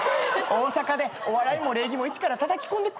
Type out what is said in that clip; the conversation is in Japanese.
大阪でお笑いも礼儀も一からたたきこんでくれましたやん。